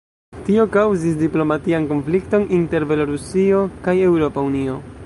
Tio kaŭzis diplomatian konflikton inter Belorusio kaj Eŭropa Unio.